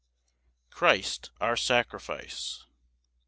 Christ our sacrifice.